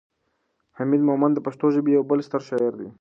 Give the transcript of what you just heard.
حمید مومند د پښتو ژبې یو بل ستر شاعر دی.